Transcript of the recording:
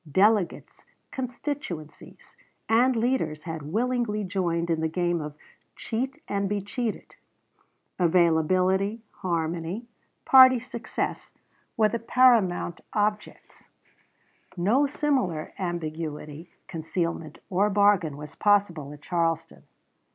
Delegates, constituencies, and leaders had willingly joined in the game of "cheat and be cheated." Availability, harmony, party success, were the paramount objects. Douglas, Reply to Black, Pamphlet, Oct., 1859. No similar ambiguity, concealment, or bargain was possible at Charleston.